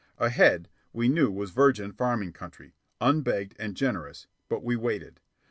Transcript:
Ahead we knew was virgin farming country, unbegged and generous; but we waited.